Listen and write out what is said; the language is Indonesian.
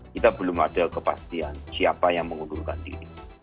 kita belum ada kepastian siapa yang mengundurkan diri